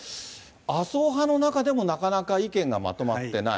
麻生派の中でもなかなか意見がまとまってない。